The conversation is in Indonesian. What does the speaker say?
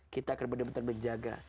kita akan benar benar menjaga